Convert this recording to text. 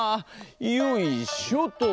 よいしょと。